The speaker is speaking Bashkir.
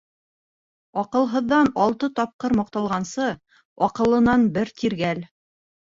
Аҡылһыҙҙан алты тапҡыр маҡталғансы, аҡыллынан бер тиргәл.